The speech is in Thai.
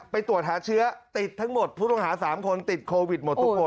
ตรวจหาเชื้อติดทั้งหมดผู้ต้องหา๓คนติดโควิดหมดทุกคน